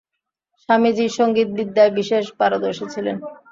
স্বামীজী সঙ্গীত-বিদ্যায় বিশেষ পারদর্শী ছিলেন।